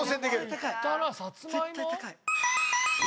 絶対高い。